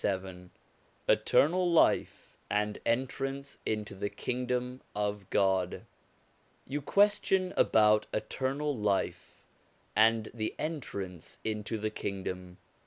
LXVII ETERNAL LIFE AND ENTRANCE INTO THE KINGDOM OF GOD You question about eternal life, and the entrance into the Kingdom.